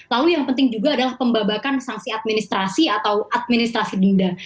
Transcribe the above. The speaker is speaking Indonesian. lalu yang penting juga adalah pembabakan sanksi administrasi atau administrasi denda